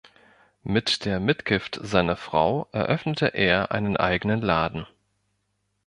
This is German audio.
Mit der Mitgift seiner Frau eröffnete er einen eigenen Laden.